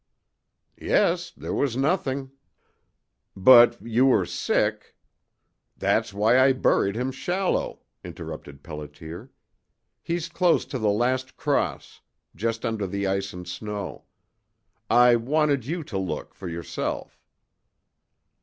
"Yes. There was nothing." "But you were sick " "That's why I buried him shallow," interrupted Pelliter. "He's close to the last cross, just under the ice and snow. I wanted you to look for yourself."